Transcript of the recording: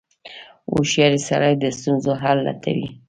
• هوښیار سړی د ستونزو حل لټوي.